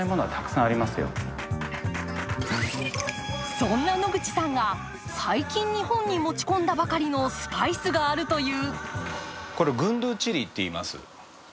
そんなノグチさんが最近、日本に持ち込んだばかりのスパイスがあるという。